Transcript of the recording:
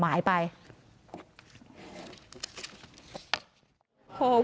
นายพิรายุนั่งอยู่ติดกันแบบนี้นะคะ